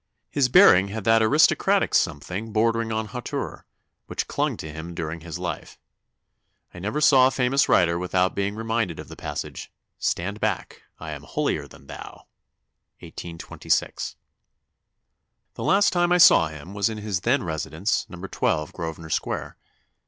His bearing had that aristocratic something bordering on hauteur, which clung to him during his life. I never saw the famous writer without being reminded of the passage, 'Stand back; I am holier than thou.' 1826. "The last time I saw him was in his then residence, No. 12 Grosvenor Square.